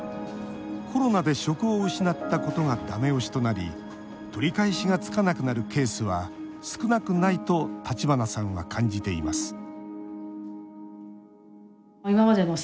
コロナで職を失ったことがだめ押しとなり取り返しがつかなくなるケースは少なくないと橘さんは感じています